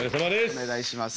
お願いします。